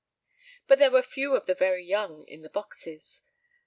But there were few of the very young in the boxes.